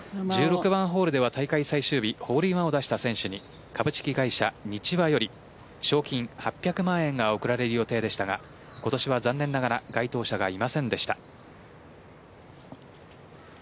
１６番ホールでは大会最終日ホールインワンを出した選手に株式会社ニチワより賞金８００万円が贈られる予定でしたが今年は残念ながら該当者がいませんでした。